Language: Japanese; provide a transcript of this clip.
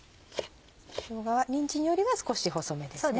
しょうがはにんじんよりは少し細めですね。